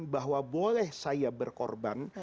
bahwa boleh saya berkorban